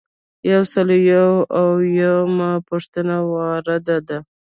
یو سل او یو اویایمه پوښتنه وارده ده.